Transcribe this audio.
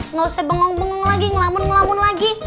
nggak usah bengong bengong lagi ngelamun ngelamun lagi